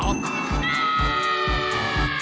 あ。